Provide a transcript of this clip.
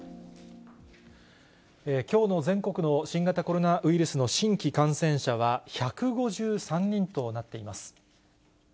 きょうの全国の新型コロナウイルスの新規感染者は、１５３人となっています。